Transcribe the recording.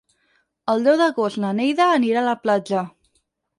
El deu d'agost na Neida anirà a la platja.